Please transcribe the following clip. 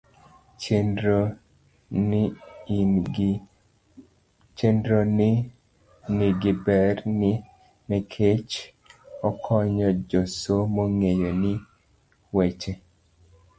chenro ni ni gi ber ne nikech okonyo jasomo ng'eyo ni weche